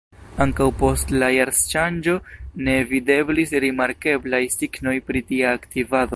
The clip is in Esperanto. Ankaŭ post la jarŝanĝo ne videblis rimarkeblaj signoj pri tia aktivado.